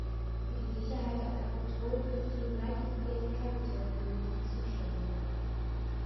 Für die Sicherheit am Kapitol ist die United States Capitol Police zuständig.